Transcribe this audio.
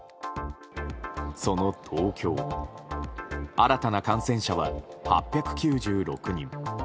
その東京新たな感染者は８９６人。